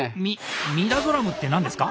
ミミダゾラムって何ですか？